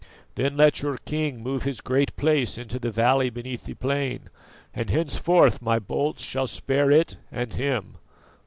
Then let your king move his Great Place into the valley beneath the plain, and henceforth my bolts shall spare it and him.